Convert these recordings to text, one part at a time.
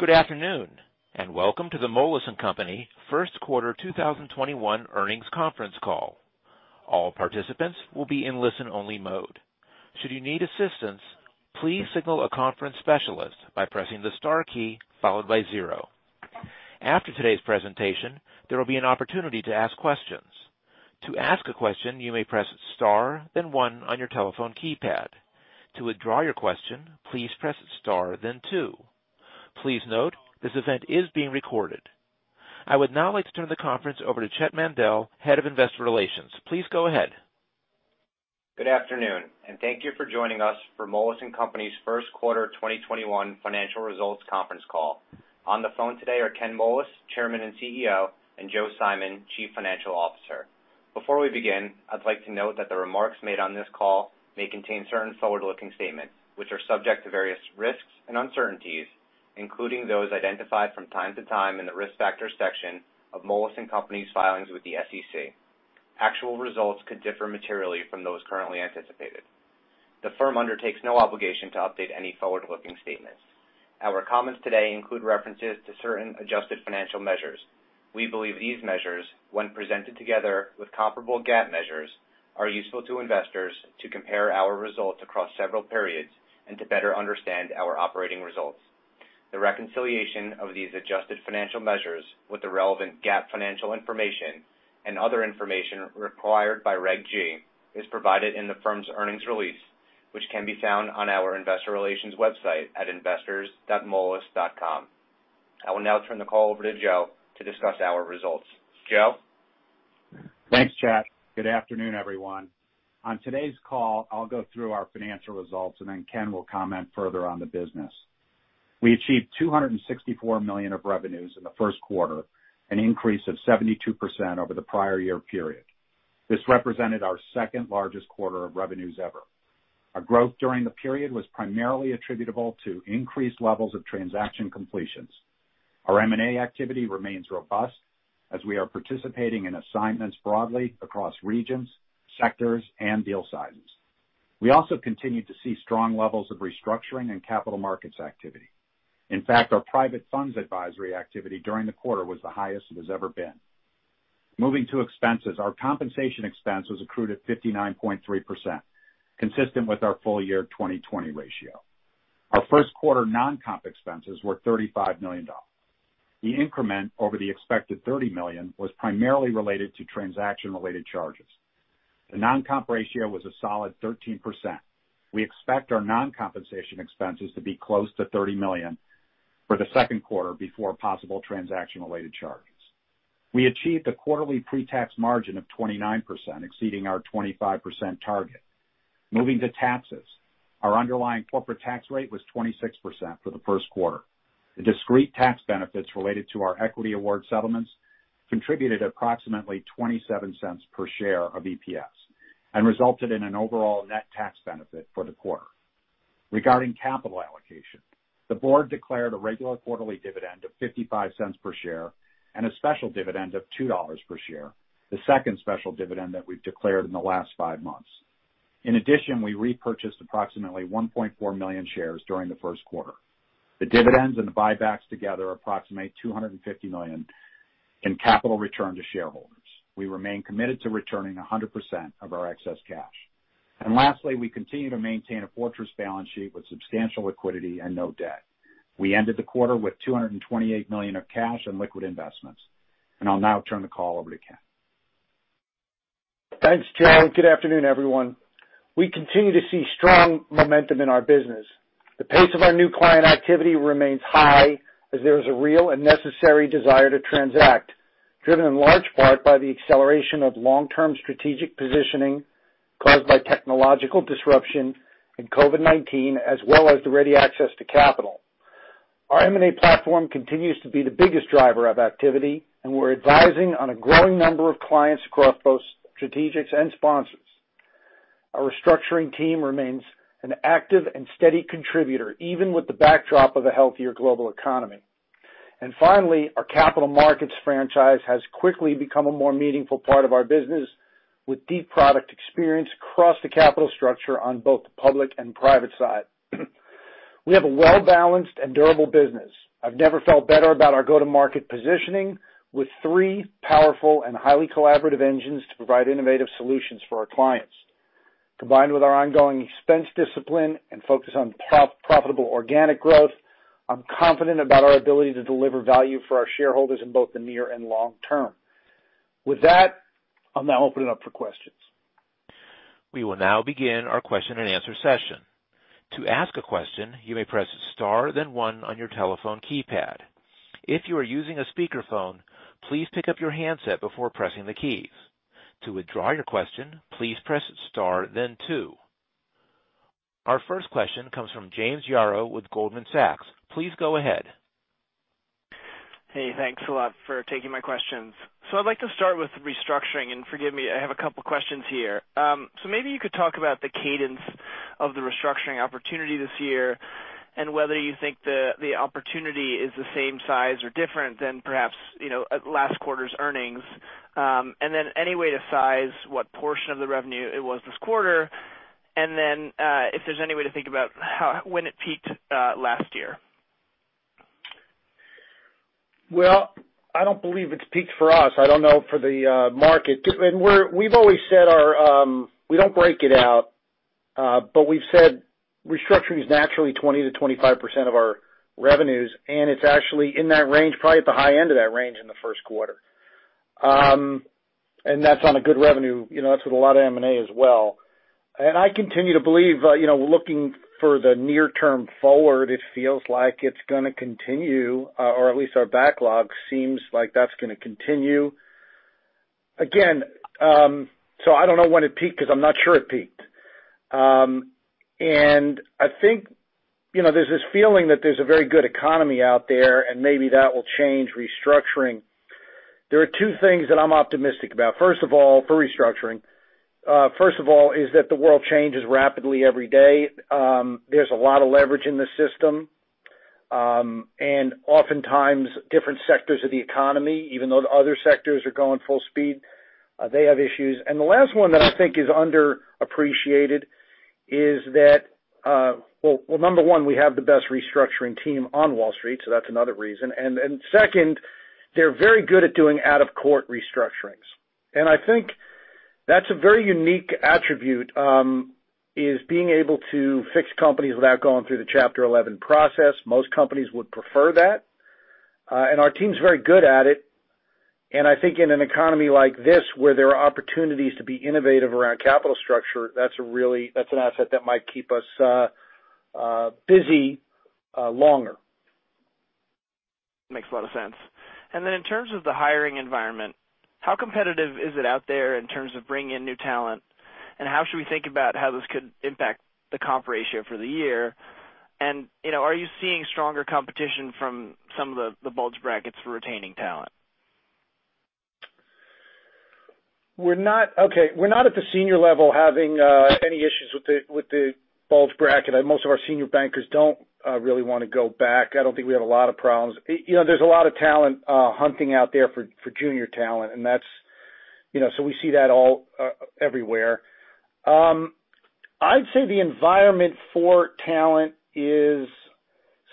Good afternoon, and welcome to the Moelis & Company first quarter 2021 earnings conference call. All participants will be in a listen only mode. Should you need assistance please signal a conference specialist by pressing the star key followed by zero. After today's presentation, there will be an opportunity to ask questions. To ask a question, you may press star then one on your telephone keypad. To withdraw your question, please press star, then two. Please note this event is being recorded.. I would now like to turn the conference over to Chett Mandel, Head of Investor Relations. Please go ahead. Good afternoon and thank you for joining us for Moelis & Company's first quarter 2021 financial results conference call. On the phone today are Ken Moelis, Chairman and CEO, and Joe Simon, Chief Financial Officer. Before we begin, I'd like to note that the remarks made on this call may contain certain forward-looking statements, which are subject to various risks and uncertainties, including those identified from time to time in the Risk Factors section of Moelis & Company's filings with the SEC. Actual results could differ materially from those currently anticipated. The firm undertakes no obligation to update any forward-looking statements. Our comments today include references to certain adjusted financial measures. We believe these measures, when presented together with comparable GAAP measures, are useful to investors to compare our results across several periods and to better understand our operating results. The reconciliation of these adjusted financial measures with the relevant GAAP financial information and other information required by Regulation G is provided in the firm's earnings release, which can be found on our investor relations website at investors.moelis.com. I will now turn the call over to Joe to discuss our results. Joe? Thanks, Chett. Good afternoon, everyone. On today's call, I'll go through our financial results, and then Ken will comment further on the business. We achieved $264 million of revenues in the first quarter, an increase of 72% over the prior year period. This represented our second-largest quarter of revenues ever. Our growth during the period was primarily attributable to increased levels of transaction completions. Our M&A activity remains robust as we are participating in assignments broadly across regions, sectors, and deal sizes. We also continue to see strong levels of restructuring and capital markets activity. In fact, our private funds advisory activity during the quarter was the highest it has ever been. Moving to expenses, our compensation expense was accrued at 59.3%, consistent with our full year 2020 ratio. Our first quarter non-comp expenses were $35 million. The increment over the expected $30 million was primarily related to transaction-related charges. The non-comp ratio was a solid 13%. We expect our non-compensation expenses to be close to $30 million for the second quarter before possible transaction-related charges. We achieved a quarterly pre-tax margin of 29%, exceeding our 25% target. Moving to taxes, our underlying corporate tax rate was 26% for the first quarter. The discrete tax benefits related to our equity award settlements contributed approximately $0.27 per share of EPS and resulted in an overall net tax benefit for the quarter. Regarding capital allocation, the board declared a regular quarterly dividend of $0.55 per share and a special dividend of $2 per share, the second special dividend that we've declared in the last five months. In addition, we repurchased approximately 1.4 million shares during the first quarter. The dividends and the buybacks together approximate $250 million in capital return to shareholders. We remain committed to returning 100% of our excess cash. Lastly, we continue to maintain a fortress balance sheet with substantial liquidity and no debt. We ended the quarter with $228 million of cash and liquid investments. I'll now turn the call over to Ken. Thanks, Joe. Good afternoon, everyone. We continue to see strong momentum in our business. The pace of our new client activity remains high as there is a real and necessary desire to transact, driven in large part by the acceleration of long-term strategic positioning caused by technological disruption and COVID-19, as well as the ready access to capital. Our M&A platform continues to be the biggest driver of activity, we're advising on a growing number of clients across both strategics and sponsors. Our restructuring team remains an active and steady contributor, even with the backdrop of a healthier global economy. Finally, our capital markets franchise has quickly become a more meaningful part of our business with deep product experience across the capital structure on both the public and private side. We have a well-balanced and durable business. I've never felt better about our go-to-market positioning with three powerful and highly collaborative engines to provide innovative solutions for our clients. Combined with our ongoing expense discipline and focus on profitable organic growth, I'm confident about our ability to deliver value for our shareholders in both the near and long term. With that, I'll now open it up for questions. We will now begin our question and answer session. To ask a question you may press star, then one on your telephone keypad. If you are using a speaker phone, please pick up your handset before pressing the keys. To withdraw your question, please press star, then two. Our first question comes from James Yaro with Goldman Sachs. Please go ahead. Hey, thanks a lot for taking my questions. I'd like to start with restructuring. Forgive me, I have a couple questions here. Maybe you could talk about the cadence of the restructuring opportunity this year and whether you think the opportunity is the same size or different than perhaps last quarter's earnings. Any way to size what portion of the revenue it was this quarter? If there's any way to think about when it peaked last year. Well, I don't believe it's peaked for us. I don't know for the market. We've always said we don't break it out. We've said restructuring is naturally 20%-25% of our revenues, and it's actually in that range, probably at the high end of that range, in the first quarter. That's on a good revenue. That's with a lot of M&A as well. I continue to believe, looking for the near term forward, it feels like it's going to continue, or at least our backlog seems like that's going to continue. Again, I don't know when it peaked because I'm not sure it peaked. I think there's this feeling that there's a very good economy out there, and maybe that will change restructuring. There are two things that I'm optimistic about for restructuring. First of all, is that the world changes rapidly every day. There's a lot of leverage in the system. Oftentimes, different sectors of the economy, even though the other sectors are going full speed, they have issues. The last one that I think is underappreciated is that, well, number one, we have the best restructuring team on Wall Street, so that's another reason. Second, they're very good at doing out-of-court restructurings. I think that's a very unique attribute, is being able to fix companies without going through the Chapter 11 process. Most companies would prefer that. Our team's very good at it. I think in an economy like this, where there are opportunities to be innovative around capital structure, that's an asset that might keep us busy longer. Makes a lot of sense. In terms of the hiring environment, how competitive is it out there in terms of bringing in new talent? How should we think about how this could impact the comp ratio for the year? Are you seeing stronger competition from some of the bulge brackets for retaining talent? Okay. We're not at the senior level having any issues with the bulge bracket. Most of our senior bankers don't really want to go back. I don't think we have a lot of problems. There's a lot of talent hunting out there for junior talent. We see that everywhere. I'd say the environment for talent is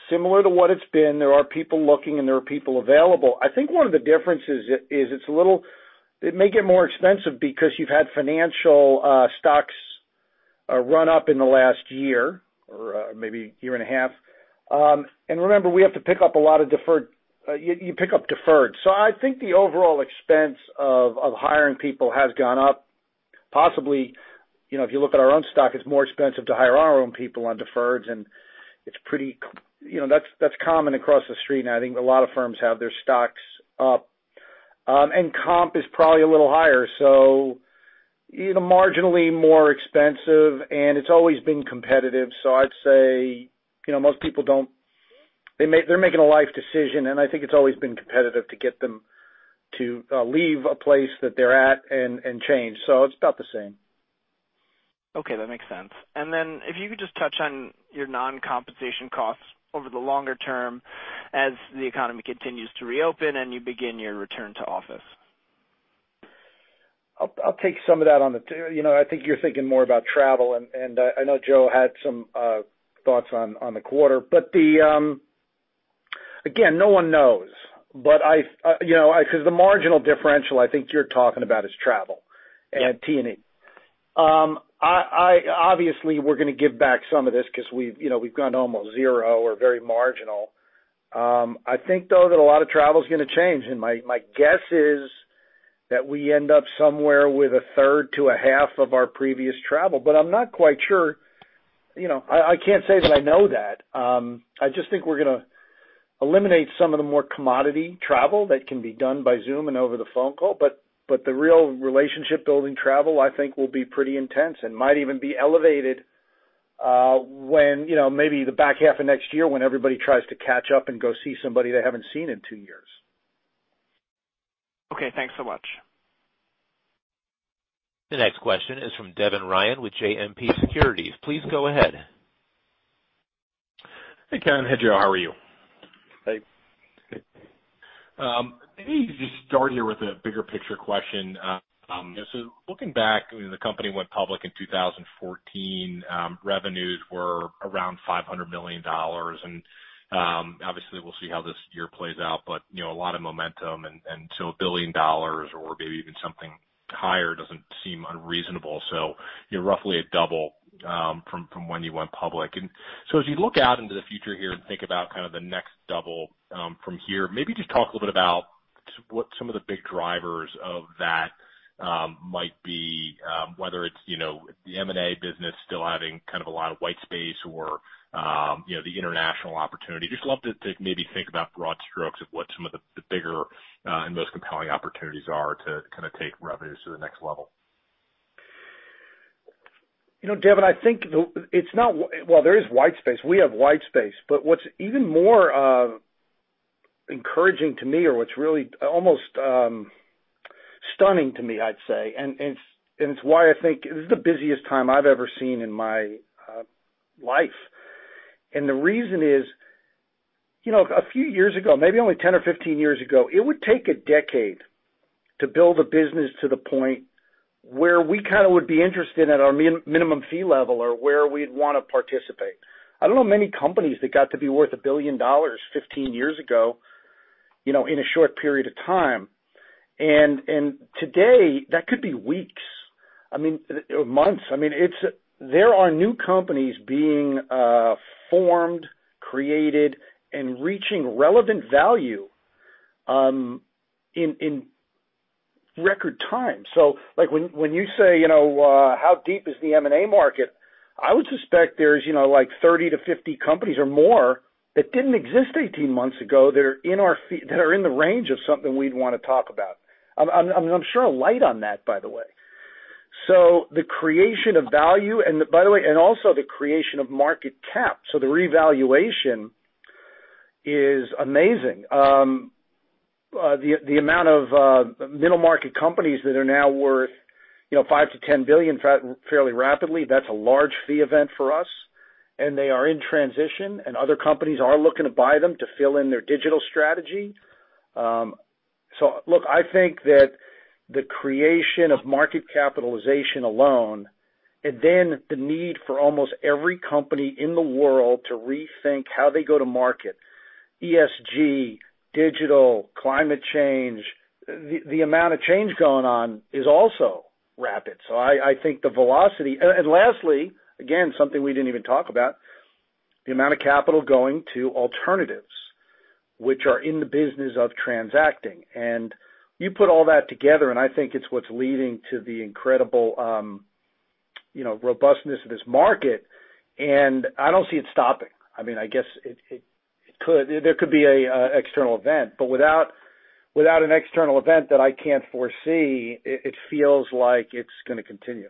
similar to what it's been. There are people looking, and there are people available. I think one of the differences is it may get more expensive because you've had financial stocks run up in the last year, or maybe year and a half. Remember, we have to pick up a lot of deferred. You pick up deferred. I think the overall expense of hiring people has gone up. Possibly, if you look at our own stock, it's more expensive to hire our own people on deferreds, and that's common across the street. I think a lot of firms have their stocks up. Comp is probably a little higher, so marginally more expensive. It's always been competitive. I'd say most people, they're making a life decision, and I think it's always been competitive to get them to leave a place that they're at and change. It's about the same. Okay, that makes sense. If you could just touch on your non-compensation costs over the longer term as the economy continues to reopen and you begin your return to office. I'll take some of that. I think you're thinking more about travel, and I know Joe had some thoughts on the quarter. Again, no one knows. The marginal differential, I think you're talking about, is travel and T&E. Obviously, we're going to give back some of this because we've gone to almost zero or very marginal. I think, though, that a lot of travel's going to change, and my guess is that we end up somewhere with a third to a half of our previous travel. I'm not quite sure. I can't say that I know that. I just think we're going to eliminate some of the more commodity travel that can be done by Zoom and over the phone call. The real relationship-building travel, I think, will be pretty intense and might even be elevated when maybe the back half of next year when everybody tries to catch up and go see somebody they haven't seen in two years. Okay, thanks so much. The next question is from Devin Ryan with JMP Securities. Please go ahead. Hey, Ken. Hey, Joe. How are you? Hey. Maybe just start here with a bigger picture question. Looking back when the company went public in 2014, revenues were around $500 million. Obviously, we'll see how this year plays out, but a lot of momentum, and so $1 billion or maybe even something higher doesn't seem unreasonable. Roughly a double from when you went public. As you look out into the future here and think about kind of the next double from here, maybe just talk a little bit about what some of the big drivers of that might be, whether it's the M&A business still having kind of a lot of white space or the international opportunity. Just love to maybe think about broad strokes of what some of the bigger and most compelling opportunities are to kind of take revenues to the next level. Devin, well, there is white space. We have white space. What's even more encouraging to me, or what's really almost stunning to me, I'd say, it's why I think this is the busiest time I've ever seen in my life. The reason is. A few years ago, maybe only 10 or 15 years ago, it would take a decade to build a business to the point where we would be interested at our minimum fee level, or where we'd want to participate. I don't know many companies that got to be worth $1 billion, 15 years ago in a short period of time. Today, that could be weeks. I mean, months. There are new companies being formed, created, and reaching relevant value in record time. When you say, how deep is the M&A market, I would suspect there's 30-50 companies or more that didn't exist 18 months ago that are in the range of something we'd want to talk about. I'm sure light on that, by the way. The creation of value, and by the way, and also the creation of market cap, so the revaluation is amazing. The amount of middle-market companies that are now worth $5 billion-$10 billion fairly rapidly, that's a large fee event for us, and they are in transition, and other companies are looking to buy them to fill in their digital strategy. Look, I think that the creation of market capitalization alone, and then the need for almost every company in the world to rethink how they go to market, ESG, digital, climate change, the amount of change going on is also rapid. I think the velocity, and lastly, again, something we didn't even talk about, the amount of capital going to alternatives, which are in the business of transacting. You put all that together, and I think it's what's leading to the incredible robustness of this market, and I don't see it stopping. I guess there could be an external event, but without an external event that I can't foresee, it feels like it's going to continue.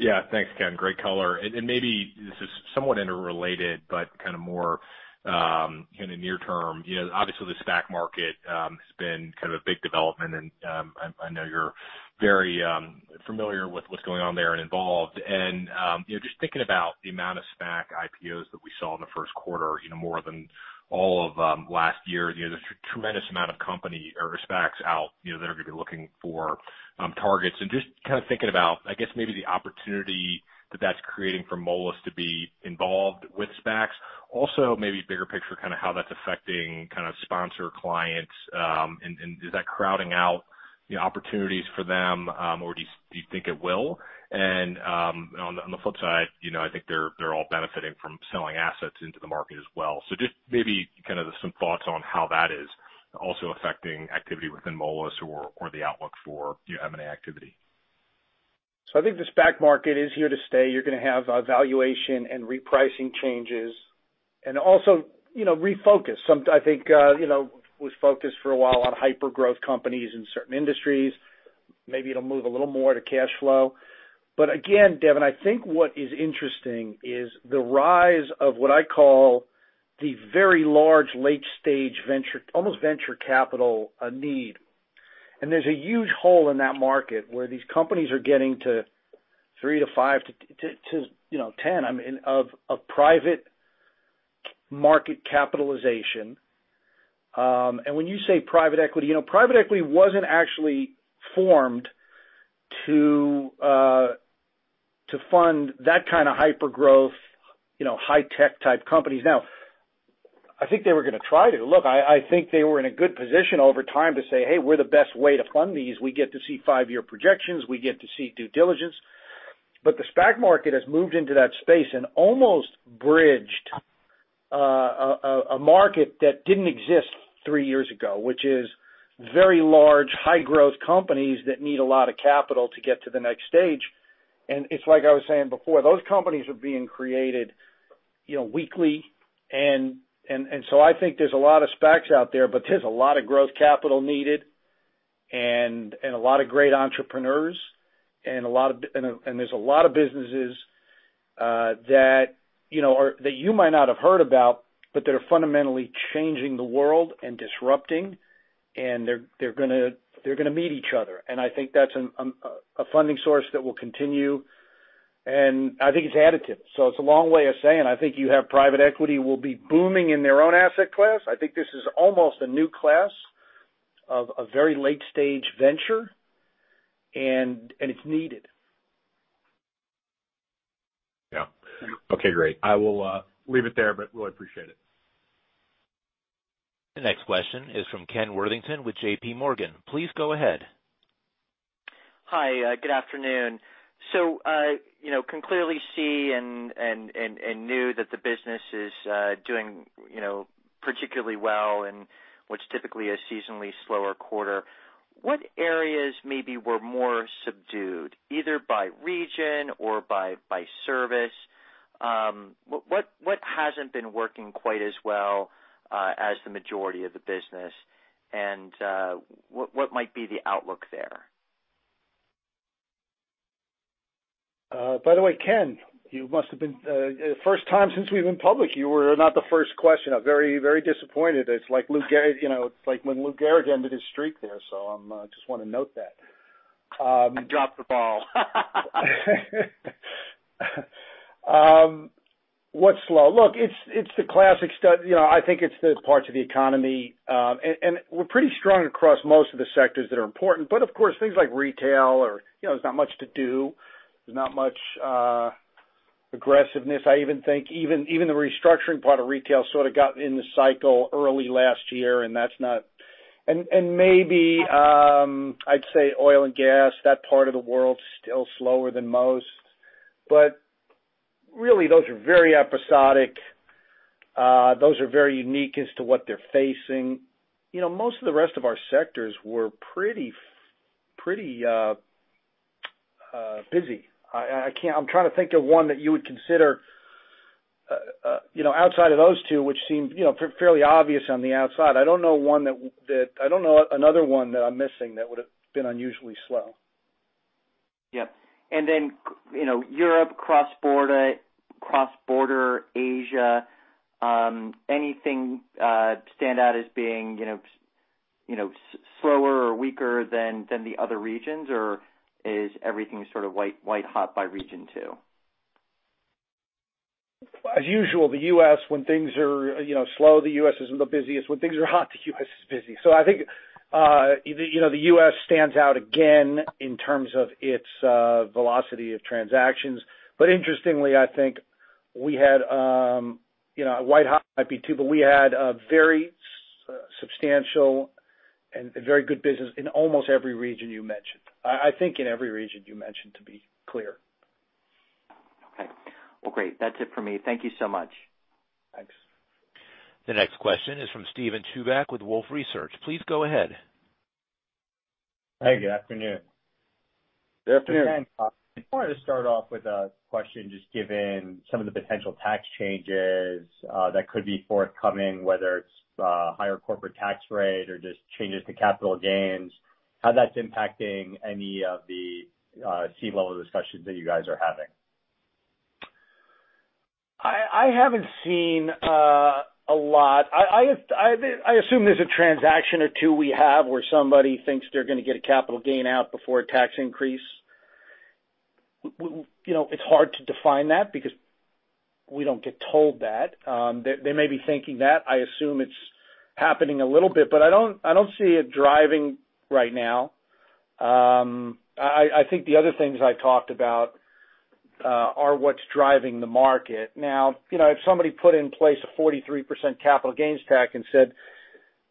Yeah. Thanks, Ken. Great color. Maybe this is somewhat interrelated, but more in the near term. Obviously, the SPAC market has been a big development, and I know you're very familiar with what's going on there and involved. Just thinking about the amount of SPAC IPOs that we saw in the first quarter, more than all of last year. There's a tremendous amount of company or SPACs out that are going to be looking for targets. Just thinking about, I guess maybe the opportunity that that's creating for Moelis to be involved with SPACs. Also maybe bigger picture, how that's affecting sponsor clients, and is that crowding out opportunities for them, or do you think it will? On the flip side, I think they're all benefiting from selling assets into the market as well. Just maybe some thoughts on how that is also affecting activity within Moelis or the outlook for M&A activity. I think the SPAC market is here to stay. You're going to have valuation and repricing changes, and also refocus. I think was focused for a while on hyper-growth companies in certain industries. Maybe it'll move a little more to cash flow. Again, Devin, I think what is interesting is the rise of what I call the very large, late-stage almost venture capital need. There's a huge hole in that market where these companies are getting to 3 to 5 to 10 of private market capitalization. When you say private equity, private equity wasn't actually formed to fund that kind of hyper-growth, high-tech type companies. Now, I think they were going to try to. Look, I think they were in a good position over time to say, "Hey, we're the best way to fund these. We get to see five-year projections. We get to see due diligence." The SPAC market has moved into that space and almost bridged a market that didn't exist three years ago, which is very large, high-growth companies that need a lot of capital to get to the next stage. It's like I was saying before, those companies are being created weekly. I think there's a lot of SPACs out there, but there's a lot of growth capital needed and a lot of great entrepreneurs, and there's a lot of businesses that you might not have heard about, but that are fundamentally changing the world and disrupting, and they're going to meet each other. I think that's a funding source that will continue, and I think it's additive. It's a long way of saying, I think you have private equity will be booming in their own asset class. I think this is almost a new class of a very late-stage venture, and it's needed. Yeah. Okay, great. I will leave it there, but really appreciate it. The next question is from Ken Worthington with JPMorgan. Please go ahead. Hi. Good afternoon. Can clearly see and knew that the business is doing particularly well in what's typically a seasonally slower quarter. What areas maybe were more subdued, either by region or by service? What hasn't been working quite as well as the majority of the business, and what might be the outlook there? Ken, first time since we've been public, you were not the first question. I'm very disappointed. It's like when Lou Gehrig ended his streak there. I just want to note that You dropped the ball. What's slow? Look, it's the classic study. I think it's the parts of the economy. We're pretty strong across most of the sectors that are important, but of course, things like retail or, there's not much to do. There's not much aggressiveness. I even think even the restructuring part of retail sort of got in the cycle early last year, and that's not. Maybe, I'd say oil and gas, that part of the world's still slower than most. Really, those are very episodic. Those are very unique as to what they're facing. Most of the rest of our sectors were pretty busy. I'm trying to think of one that you would consider outside of those two, which seem fairly obvious on the outside. I don't know another one that I'm missing that would've been unusually slow. Yep. Europe, cross border Asia, anything stand out as being slower or weaker than the other regions? Is everything sort of white hot by region, too? As usual, the U.S., when things are slow, the U.S. isn't the busiest. When things are hot, the U.S. is busy. I think, the U.S. stands out again in terms of its velocity of transactions. Interestingly, I think we had a very substantial and very good business in almost every region you mentioned. I think in every region you mentioned, to be clear. Okay. Well, great. That's it for me. Thank you so much. Thanks. The next question is from Steven Chubak with Wolfe Research. Please go ahead. Hey, good afternoon. Good afternoon. Thanks. I just wanted to start off with a question, just given some of the potential tax changes that could be forthcoming, whether it's higher corporate tax rate or just changes to capital gains, how that's impacting any of the C-level discussions that you guys are having. I haven't seen a lot. I assume there's a transaction or two we have where somebody thinks they're going to get a capital gain out before a tax increase. It's hard to define that because we don't get told that. They may be thinking that. I assume it's happening a little bit, but I don't see it driving right now. I think the other things I talked about are what's driving the market. If somebody put in place a 43% capital gains tax and said,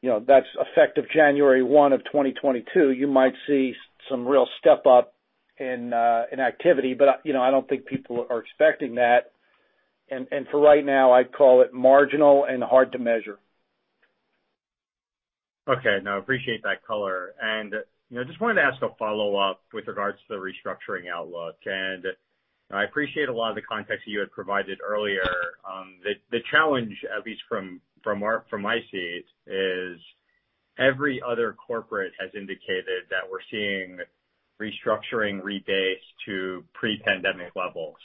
"That's effective January 1 of 2022," you might see some real step-up in activity. I don't think people are expecting that. For right now, I'd call it marginal and hard to measure. Okay. No, appreciate that color. Just wanted to ask a follow-up with regards to the restructuring outlook. I appreciate a lot of the context that you had provided earlier. The challenge, at least from my seat, is every other corporate has indicated that we're seeing restructuring rebase to pre-pandemic levels.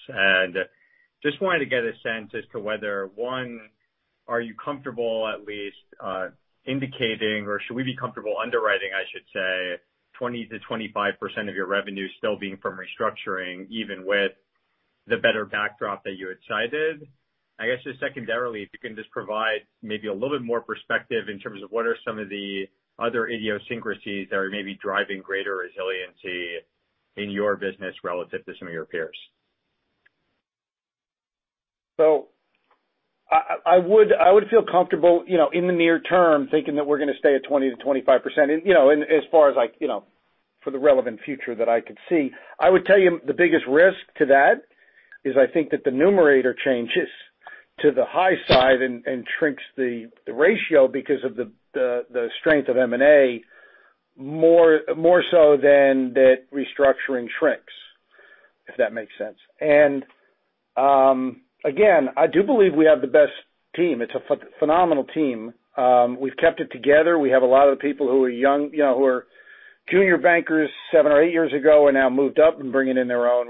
Just wanted to get a sense as to whether, one, are you comfortable at least indicating or should we be comfortable underwriting, I should say, 20%-25% of your revenue still being from restructuring, even with the better backdrop that you had cited. I guess just secondarily, if you can just provide maybe a little bit more perspective in terms of what are some of the other idiosyncrasies that are maybe driving greater resiliency in your business relative to some of your peers. I would feel comfortable, in the near term, thinking that we're going to stay at 20%-25% as far as for the relevant future that I could see. I would tell you the biggest risk to that is I think that the numerator changes to the high side and shrinks the ratio because of the strength of M&A more so than that restructuring shrinks, if that makes sense. Again, I do believe we have the best team. It's a phenomenal team. We've kept it together. We have a lot of the people who are young, who were junior bankers seven or eight years ago, are now moved up and bringing in their own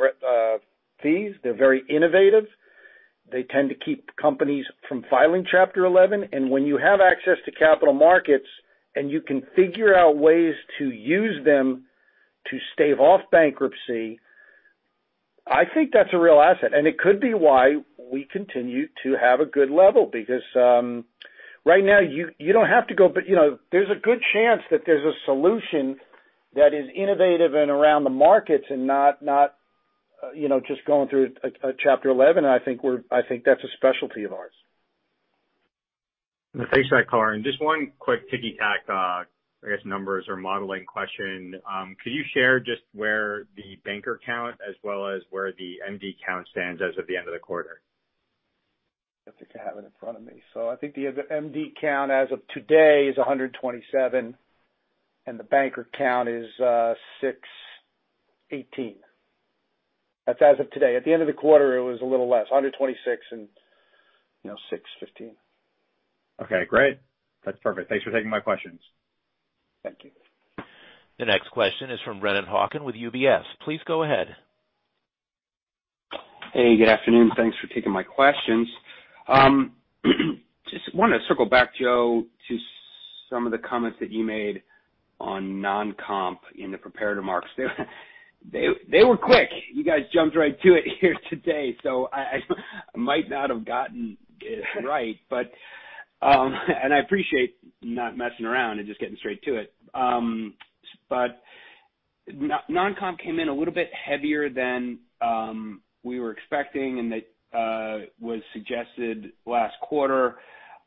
fees. They're very innovative. They tend to keep companies from filing Chapter 11. When you have access to capital markets and you can figure out ways to use them to stave off bankruptcy, I think that's a real asset. It could be why we continue to have a good level, because right now you don't have to go, but there's a good chance that there's a solution that is innovative and around the markets and not just going through a Chapter 11. I think that's a specialty of ours. Thanks for that, Ken. Just one quick ticky-tack, I guess, numbers or modeling question. Could you share just where the banker count as well as where the MD count stands as of the end of the quarter? I have to have it in front of me. I think the MD count as of today is 127, and the banker count is 618. That's as of today. At the end of the quarter, it was a little less, 126 and 615. Okay, great. That's perfect. Thanks for taking my questions. Thank you. The next question is from Brennan Hawken with UBS. Please go ahead. Hey, good afternoon. Thanks for taking my questions. Just wanted to circle back, Joe, to some of the comments that you made on non-comp in the prepared remarks. They were quick. You guys jumped right to it here today, so I might not have gotten it right. I appreciate not messing around and just getting straight to it. Non-comp came in a little bit heavier than we were expecting and that was suggested last quarter.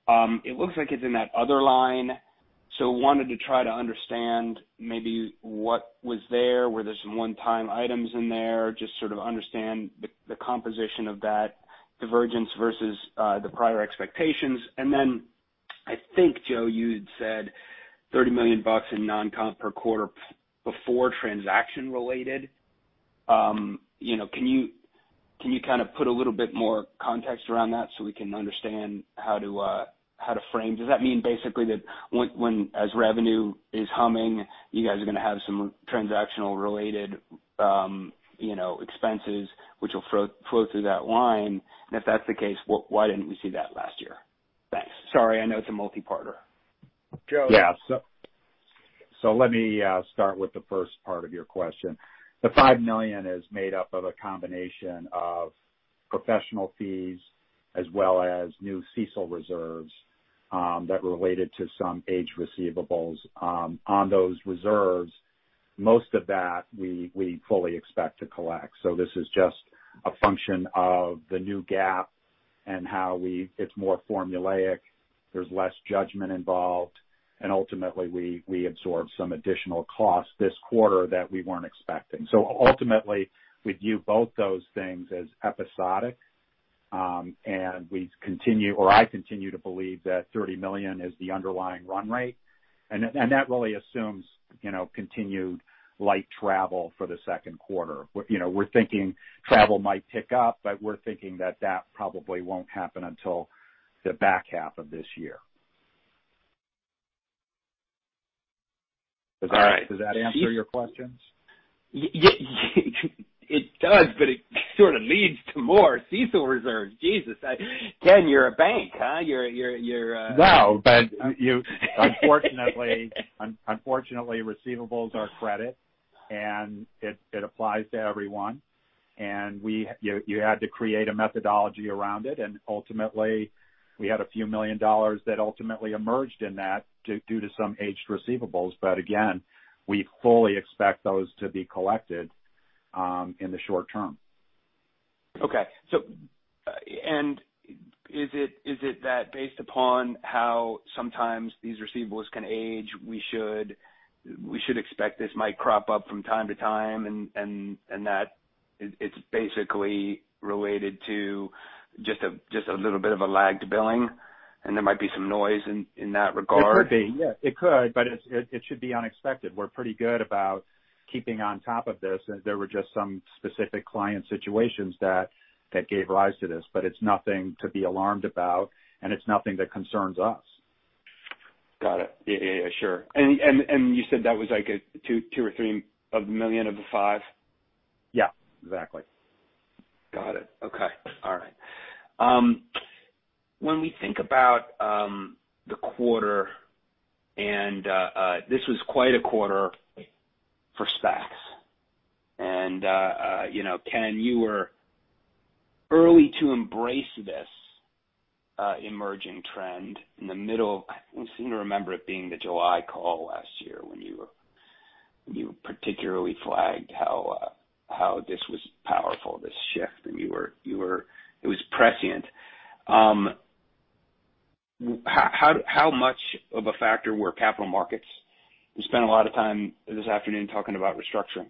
It looks like it's in that other line, so wanted to try to understand maybe what was there. Were there some one-time items in there? Just sort of understand the composition of that divergence versus the prior expectations. I think, Joe, you'd said $30 million in non-comp per quarter before transaction related. Can you put a little bit more context around that so we can understand how to frame? Does that mean basically that as revenue is humming, you guys are going to have some transactional related expenses which will flow through that line? If that's the case, why didn't we see that last year? Thanks. Sorry. I know it's a multi-parter. Joe? Yeah. Let me start with the first part of your question. The $5 million is made up of a combination of professional fees as well as new CECL reserves that related to some aged receivables. On those reserves, most of that we fully expect to collect. This is just a function of the new GAAP and how it's more formulaic, there's less judgment involved, and ultimately we absorb some additional costs this quarter that we weren't expecting. Ultimately, we view both those things as episodic, and we continue, or I continue to believe that $30 million is the underlying run rate, and that really assumes continued light travel for the second quarter. We're thinking travel might pick up, but we're thinking that that probably won't happen until the back half of this year. All right. Does that answer your questions? It does, but it sort of leads to more. CECL reserves. Jesus, Ken, you're a bank, huh? No. Unfortunately, receivables are credit, and it applies to everyone. You had to create a methodology around it, and ultimately, we had a few million dollars that ultimately emerged in that due to some aged receivables. Again, we fully expect those to be collected in the short term. Okay. Is it that based upon how sometimes these receivables can age, we should expect this might crop up from time to time, and that it's basically related to just a little bit of a lagged billing, and there might be some noise in that regard? It could be. Yeah, it could, but it should be unexpected. We're pretty good about keeping on top of this. There were just some specific client situations that gave rise to this. It's nothing to be alarmed about, and it's nothing that concerns us. Got it. Yeah, sure. You said that was like two or three of the million of the five? Yeah, exactly. Got it. Okay. All right. When we think about the quarter, and this was quite a quarter for SPACs, and Ken, you were early to embrace this emerging trend in the middle. I seem to remember it being the July call last year when you particularly flagged how this was powerful, this shift, and it was prescient. How much of a factor were capital markets? We spent a lot of time this afternoon talking about restructuring,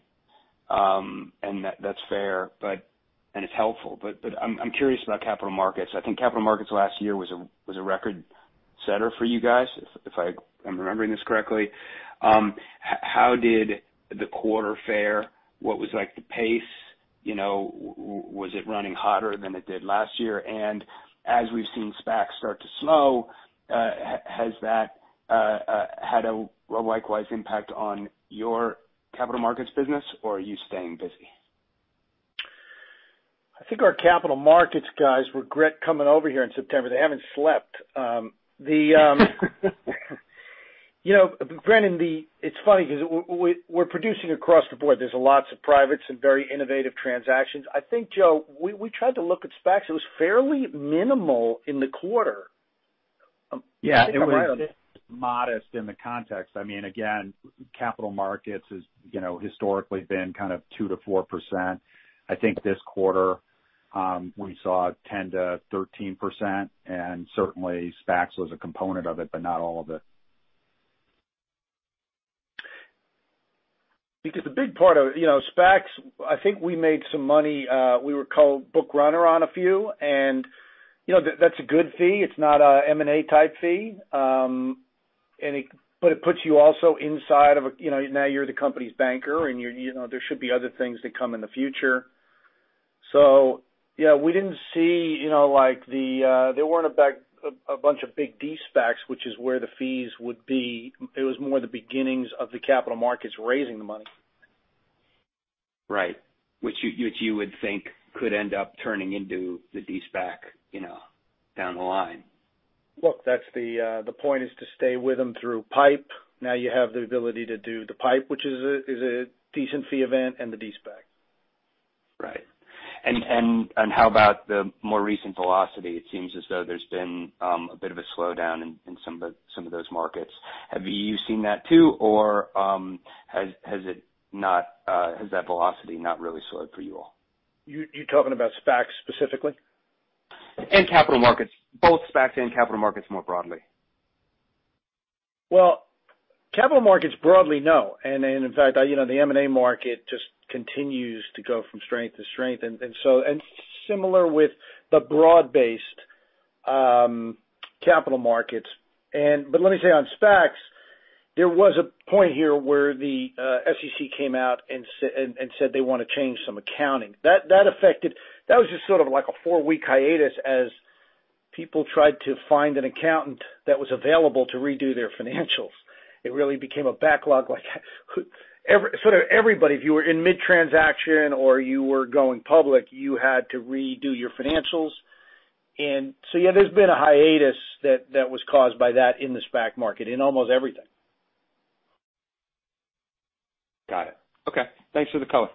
and that's fair, and it's helpful, but I'm curious about capital markets. I think capital markets last year was a record setter for you guys, if I'm remembering this correctly. How did the quarter fare? What was like the pace? Was it running hotter than it did last year? As we've seen SPACs start to slow, has that had a likewise impact on your capital markets business, or are you staying busy? I think our capital markets guys regret coming over here in September. They haven't slept. Brennan, it's funny because we're producing across the board. There's lots of privates and very innovative transactions. I think, Joe, we tried to look at SPACs. It was fairly minimal in the quarter. Yeah, it was modest in the context. Again, capital markets has historically been kind of 2%-4%. I think this quarter, we saw 10%-13%, and certainly SPACs was a component of it, but not all of it. The big part of it, SPACs, I think we made some money. We were called bookrunner on a few, and that's a good fee. It's not a M&A type fee. It puts you also inside of. Now you're the company's banker, and there should be other things that come in the future. Yeah, there weren't a bunch of big de-SPACs, which is where the fees would be. It was more the beginnings of the capital markets raising the money. Right. Which you would think could end up turning into the de-SPAC, down the line. Look, the point is to stay with them through PIPE. You have the ability to do the PIPE, which is a decent fee event, and the de-SPAC. Right. How about the more recent velocity? It seems as though there's been a bit of a slowdown in some of those markets. Have you seen that too, or has that velocity not really slowed for you all? You talking about SPACs specifically? In capital markets, both SPACs and capital markets more broadly. Well, capital markets broadly, no. In fact, the M&A market just continues to go from strength to strength, and similar with the broad-based capital markets. Let me say on SPACs, there was a point here where the SEC came out and said they want to change some accounting. That was just sort of like a four-week hiatus as people tried to find an accountant that was available to redo their financials. It really became a backlog. If you were in mid-transaction or you were going public, you had to redo your financials. Yeah, there's been a hiatus that was caused by that in the SPAC market, in almost everything. Got it. Okay. Thanks for the color.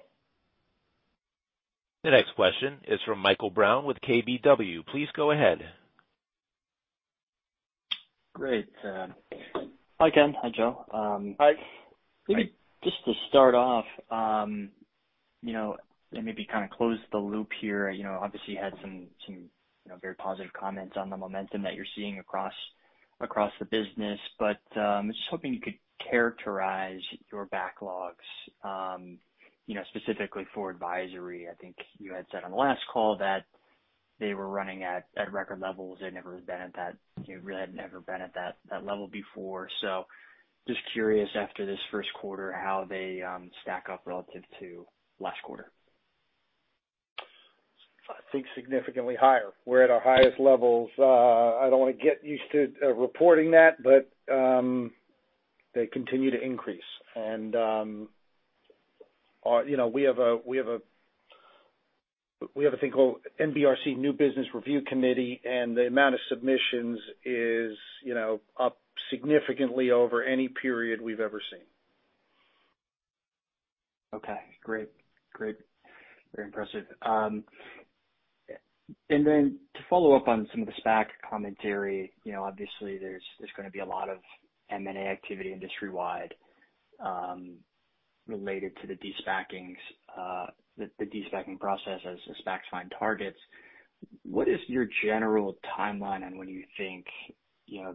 The next question is from Michael Brown with KBW. Please go ahead. Great. Hi, Ken. Hi, Joe. Hi. Maybe just to start off, maybe kind of close the loop here. Obviously, you had some very positive comments on the momentum that you're seeing across the business. I'm just hoping you could characterize your backlogs, specifically for advisory. I think you had said on the last call that they were running at record levels. They really had never been at that level before. Just curious after this first quarter, how they stack up relative to last quarter. I think significantly higher. We're at our highest levels. I don't want to get used to reporting that, they continue to increase. We have a thing called NBRC, New Business Review Committee, and the amount of submissions is up significantly over any period we've ever seen. Okay. Great. Very impressive. To follow up on some of the SPAC commentary, obviously there's going to be a lot of M&A activity industry-wide related to the de-SPACing process as SPACs find targets. What is your general timeline on when you think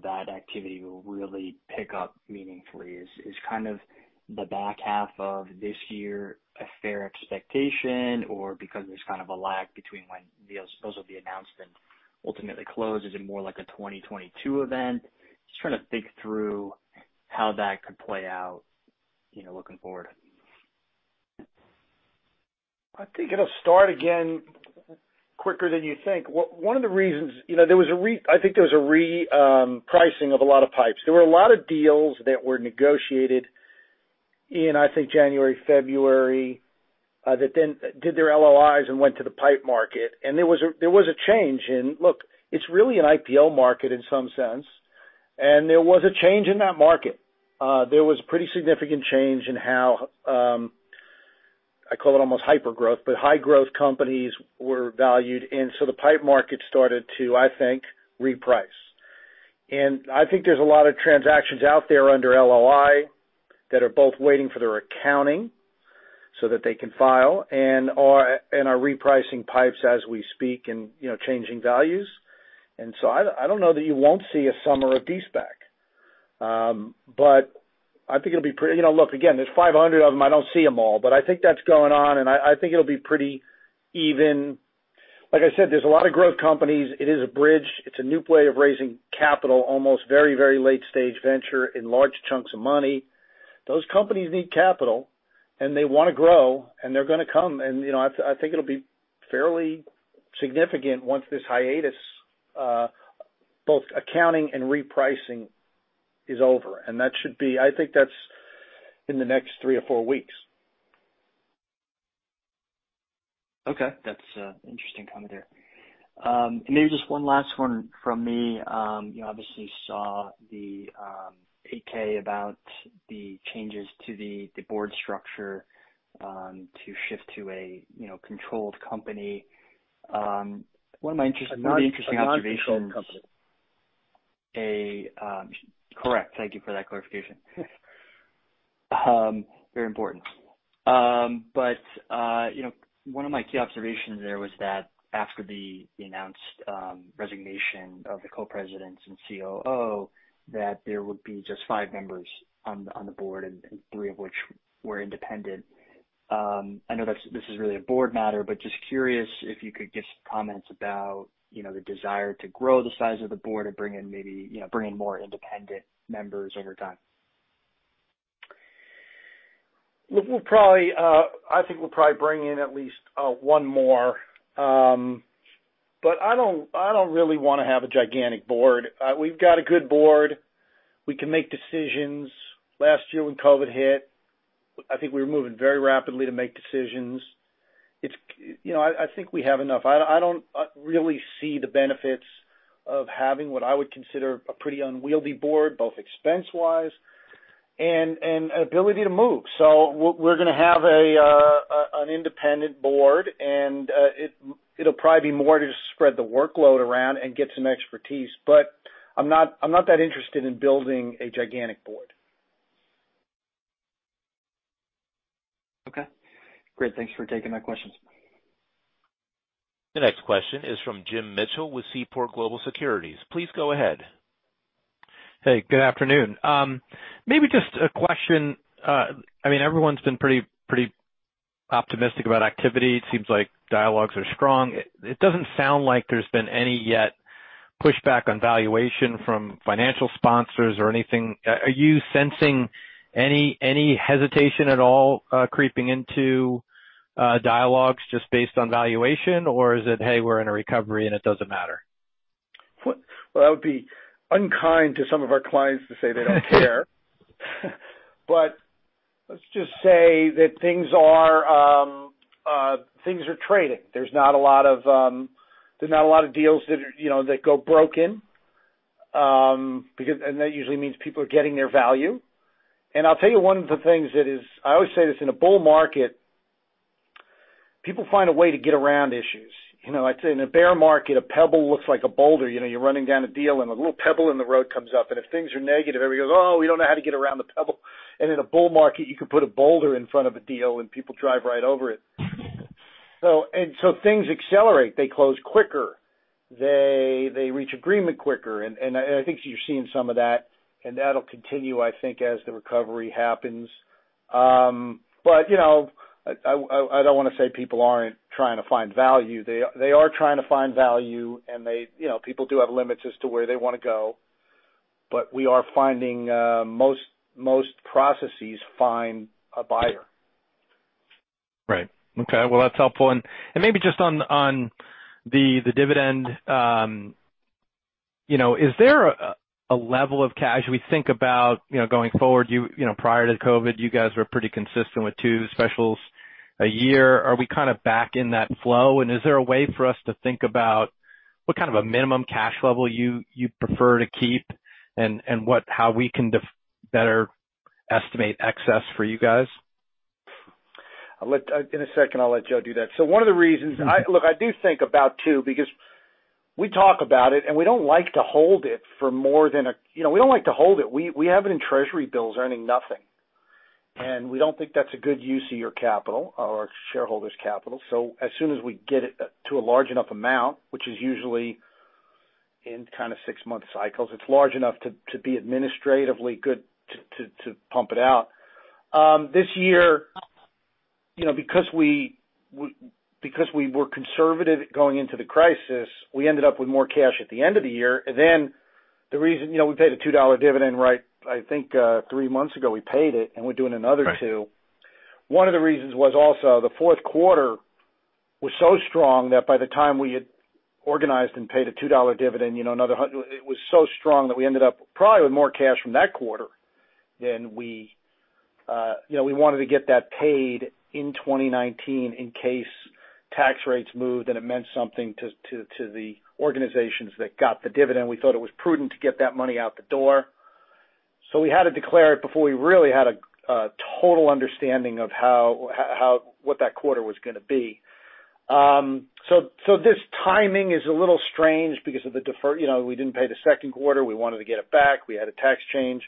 that activity will really pick up meaningfully? Is kind of the back half of this year a fair expectation? Because there's kind of a lag between when deals will be announced and ultimately closed, is it more like a 2022 event? Just trying to think through how that could play out, looking forward. I think it'll start again quicker than you think. I think there was a repricing of a lot of PIPEs. There were a lot of deals that were negotiated in, I think, January, February, that then did their LOIs and went to the PIPE market, and there was a change in Look, it's really an IPO market in some sense, and there was a change in that market. There was a pretty significant change in how, I call it almost hyper-growth, but high growth companies were valued, and so the PIPE market started to, I think, reprice. I think there's a lot of transactions out there under LOI that are both waiting for their accounting so that they can file and are repricing PIPEs as we speak and changing values. So I don't know that you won't see a summer of de-SPAC. Look, again, there's 500 of them. I don't see them all, but I think that's going on, and I think it'll be pretty even. Like I said, there's a lot of growth companies. It is a bridge. It's a new way of raising capital, almost very late-stage venture in large chunks of money. Those companies need capital, and they want to grow, and they're going to come, and I think it'll be fairly significant once this hiatus, both accounting and repricing, is over. I think that's in the next three or four weeks. Okay. That's an interesting comment there. Maybe just one last one from me. You obviously saw the 8-K about the changes to the board structure to shift to a controlled company. A non-controlled company. Correct. Thank you for that clarification. Very important. One of my key observations there was that after the announced resignation of the co-presidents and COO, that there would be just five members on the board and three of which were independent. I know this is really a board matter, but just curious if you could give some comments about the desire to grow the size of the board and maybe bring in more independent members over time. I think we'll probably bring in at least one more. I don't really want to have a gigantic board. We've got a good board. We can make decisions. Last year, when COVID hit, I think we were moving very rapidly to make decisions. I think we have enough. I don't really see the benefits of having what I would consider a pretty unwieldy board, both expense-wise and ability to move. We're going to have an independent board, and it'll probably be more to spread the workload around and get some expertise. I'm not that interested in building a gigantic board. Okay, great. Thanks for taking my questions. The next question is from Jim Mitchell with Seaport Global Securities. Please go ahead. Hey, good afternoon. Maybe just a question. Everyone's been pretty optimistic about activity. It seems like dialogues are strong. It doesn't sound like there's been any yet pushback on valuation from financial sponsors or anything. Are you sensing any hesitation at all creeping into dialogues just based on valuation? Or is it, "Hey, we're in a recovery, and it doesn't matter? Well, that would be unkind to some of our clients to say they don't care. Let's just say that things are trading. There's not a lot of deals that go broken. That usually means people are getting their value. I'll tell you one of the things that is, I always say this, in a bull market, people find a way to get around issues. I'd say in a bear market, a pebble looks like a boulder. You're running down a deal, and a little pebble in the road comes up, and if things are negative, everybody goes, "Oh, we don't know how to get around the pebble." In a bull market, you can put a boulder in front of a deal, and people drive right over it. Things accelerate. They close quicker. They reach agreement quicker, and I think you're seeing some of that. That'll continue, I think, as the recovery happens. I don't want to say people aren't trying to find value. They are trying to find value, and people do have limits as to where they want to go. We are finding most processes find a buyer. Right. Okay. Well, that's helpful. Maybe just on the dividend. As we think about going forward, prior to COVID, you guys were pretty consistent with two specials a year. Are we kind of back in that flow? Is there a way for us to think about what kind of a minimum cash level you prefer to keep and how we can better estimate excess for you guys? In a second, I'll let Joe do that. Look, I do think about two because we talk about it, and we don't like to hold it. We have it in Treasury bills earning nothing, and we don't think that's a good use of your capital or shareholders' capital. As soon as we get it to a large enough amount, which is usually in kind of six-month cycles, it's large enough to be administratively good to pump it out. This year, because we were conservative going into the crisis, we ended up with more cash at the end of the year. We paid a $2 dividend, right? I think three months ago, we paid it, and we're doing another two. Right. One of the reasons was also the fourth quarter was so strong that by the time we had organized and paid a $2 dividend, it was so strong that we ended up probably with more cash from that quarter. We wanted to get that paid in 2019 in case tax rates moved, and it meant something to the organizations that got the dividend. We thought it was prudent to get that money out the door. We had to declare it before we really had a total understanding of what that quarter was going to be. This timing is a little strange because we didn't pay the second quarter. We wanted to get it back. We had a tax change.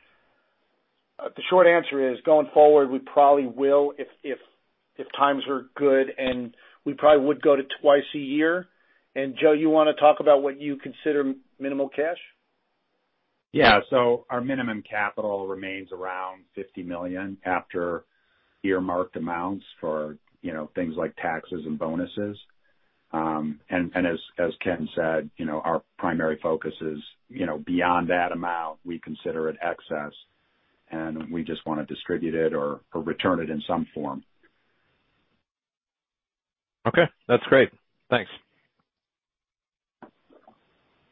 The short answer is, going forward, we probably will if times are good, and we probably would go to twice a year. Joe, you want to talk about what you consider minimal cash? Yeah. Our minimum capital remains around $50 million after earmarked amounts for things like taxes and bonuses. As Ken said, our primary focus is beyond that amount, we consider it excess, and we just want to distribute it or return it in some form. Okay. That's great. Thanks.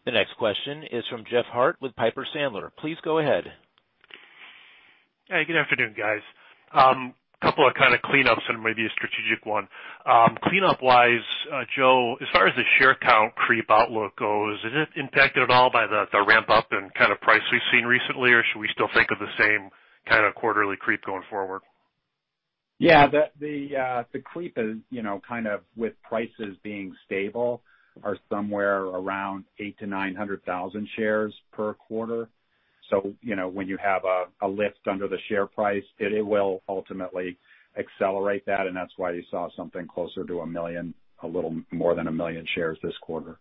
The next question is from Jeff Harte with Piper Sandler. Please go ahead. Hey, good afternoon, guys. A couple of kind of cleanups and maybe a strategic one. Cleanup-wise, Joe, as far as the share count creep outlook goes, is it impacted at all by the ramp-up in price we've seen recently, or should we still think of the same kind of quarterly creep going forward? Yeah. The creep is kind of with prices being stable, are somewhere around 800,000-900,000 shares per quarter. When you have a lift under the share price, it will ultimately accelerate that, and that's why you saw something closer to 1 million, a little more than 1 million shares this quarter.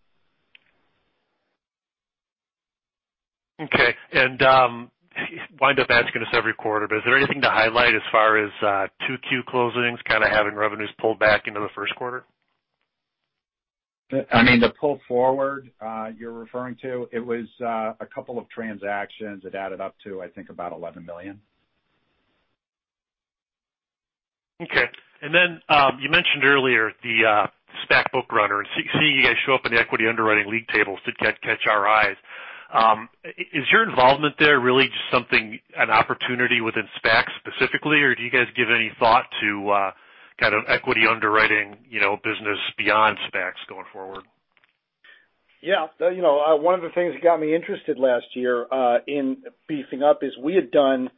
Okay. Wind up asking this every quarter, but is there anything to highlight as far as 2Q closings kind of having revenues pulled back into the first quarter? I mean, the pull forward you're referring to, it was a couple of transactions. It added up to, I think, about $11 million. Okay. You mentioned earlier the SPAC book runner and seeing you guys show up in the equity underwriting league tables did catch our eyes. Is your involvement there really just something, an opportunity within SPACs specifically, or do you guys give any thought to kind of equity underwriting business beyond SPACs going forward? Yeah. One of the things that got me interested last year in beefing up is we had done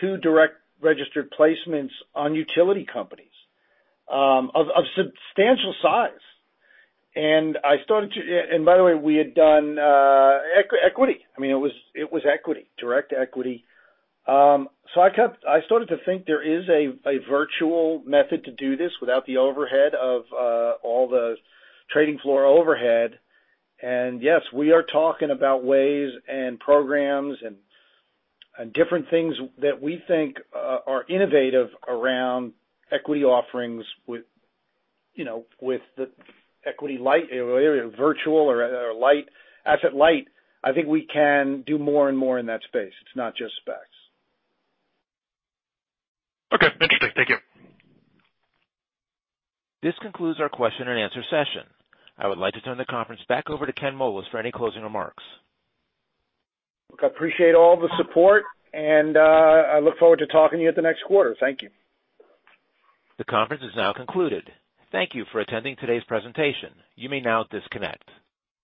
two direct registered placements on utility companies of substantial size. By the way, we had done equity. I mean, it was equity, direct equity. I started to think there is a virtual method to do this without the overhead of all the trading floor overhead. Yes, we are talking about ways and programs and different things that we think are innovative around equity offerings with the equity light or virtual or asset light. I think we can do more and more in that space. It's not just SPACs. Okay. Interesting. Thank you. This concludes our question and answer session. I would like to turn the conference back over to Ken Moelis for any closing remarks. Look, I appreciate all the support, and I look forward to talking to you at the next quarter. Thank you. The conference is now concluded. Thank you for attending today's presentation. You may now disconnect.